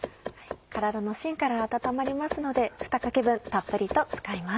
体のしんから温まりますので２かけ分たっぷりと使います。